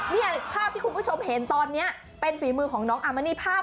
นี่ภาพที่คุณผู้ชมเห็นตอนนี้เป็นฝีมือของน้องอามณีภาพ